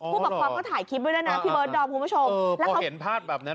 ผู้ปกครองเขาถ่ายคลิปไว้ด้วยนะพี่เบิร์ดดอมคุณผู้ชมแล้วเขาเห็นภาพแบบนั้น